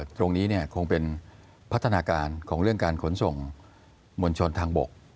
ตรงนี้คงเป็นพัฒนาการของเรื่องการขนส่งมวลชนทางบก